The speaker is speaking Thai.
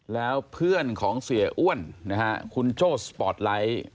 แล้วเพื่อนของเสียอ้วนนะฮะคุณโจ้สปอร์ตไลท์